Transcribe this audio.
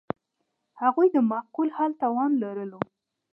هغوی د معقول حل توان لرلو.